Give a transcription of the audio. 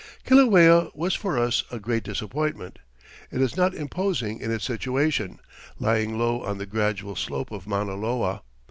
Kilauea was for us a great disappointment. It is not imposing in its situation, lying low on the gradual slope of Mauna Loa.